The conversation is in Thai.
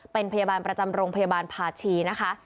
เป็นพยาบาลประจำโรงพยาบาลภาชีนะคะ